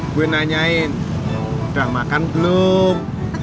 gue nanyain udah makan belum